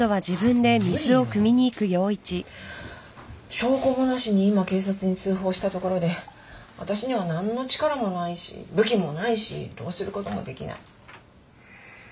証拠もなしに今警察に通報したところで私には何の力もないし武器もないしどうすることもできない。